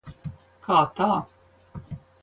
Kā tā?